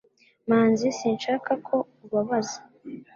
manzi, sinshaka ko ubabaza